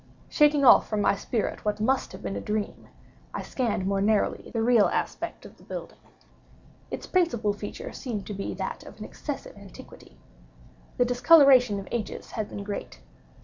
Shaking off from my spirit what must have been a dream, I scanned more narrowly the real aspect of the building. Its principal feature seemed to be that of an excessive antiquity. The discoloration of ages had been great.